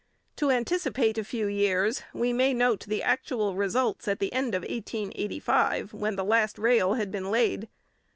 To anticipate a few years, we may note the actual results at the end of 1885, when the last rail had been laid.